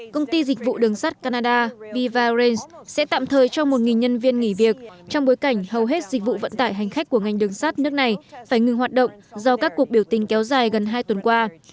công ty dịch vụ đường sắt canada vivarains sẽ tạm thời cho một nhân viên nghỉ việc trong bối cảnh hầu hết dịch vụ vận tải hành khách của ngành đường sắt nước này phải ngừng hoạt động do các cuộc biểu tình kéo dài gần hai tuần qua